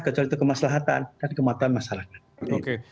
kecuali itu kemaslahatan dan kemataan masyarakat